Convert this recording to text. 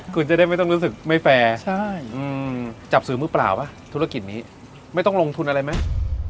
คุณจะได้ไม่ต้องรู้สึกไม่แฟร์จับสื่อมือเปล่าป่ะธุรกิจนี้ไม่ต้องลงทุนอะไรไหม